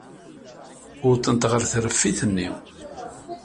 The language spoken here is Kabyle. Wwḍent ɣer tṛeffit-nni.